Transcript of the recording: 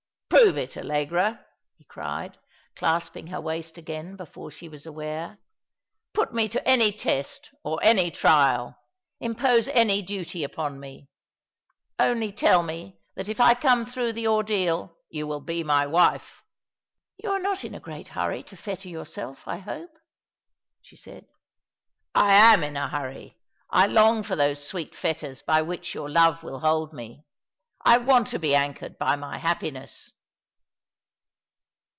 "Prove it, Allegra," he cried, clasping her waist again before she was aware. " Put me to any test or any trial — impose any duty upon me. Only tell me that if I come through the ordeal you will be my wife." " You are not in a great hurry to fetter yourself, I hope ?" she said. " I am in a hurry— I long for those sweet fetters by which your love will hold me. I want to be anchored by my happiness."